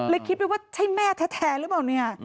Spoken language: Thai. คิดไปว่าใช่แม่แท้หรือเปล่าเนี่ย